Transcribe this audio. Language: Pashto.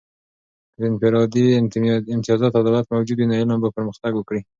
که د انفرادي امتیازات او عدالت موجود وي، نو علم به پرمختګ وکړي.